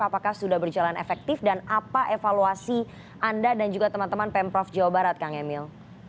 apakah sudah berjalan efektif dan apa evaluasi anda dan juga teman teman pemprov jawa barat kang emil